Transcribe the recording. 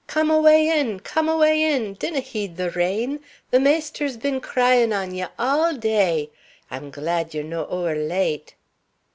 Come awa in. Come awa in. Dinna heed the rain. The maister's been crying on you a' day. I'm glad you're no ower late."